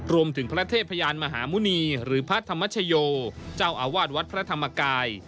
พระเทพยานมหาหมุณีหรือพระธรรมชโยเจ้าอาวาสวัดพระธรรมกาย